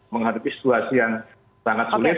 bukanlah itu situasi yang sangat sulit